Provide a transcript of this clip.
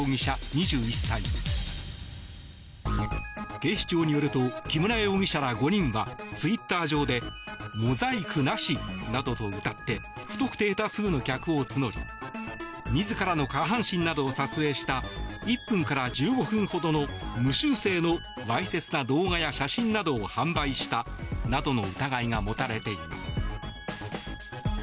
警視庁によると木村容疑者ら５人はツイッター上でモザイクなしなどとうたって不特定多数の客を募り自らの下半身などを撮影した１分から１５分ほどの無修正のわいせつな動画や写真などを販売したなどの疑いが持たれています。